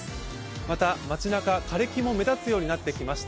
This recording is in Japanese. また街なか、枯れ木も目立つようになってきました。